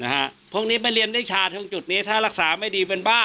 นะฮะพวกนี้ไม่เรียนวิชาทั้งจุดนี้ถ้ารักษาไม่ดีเป็นบ้า